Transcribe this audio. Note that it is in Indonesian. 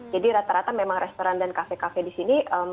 jadi rata rata memang restoran dan kafe kafe di sini